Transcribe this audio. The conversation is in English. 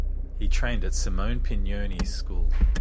He trained at Simone Pignoni's school.